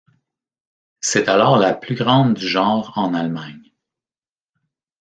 C'est alors la plus grande du genre en Allemagne.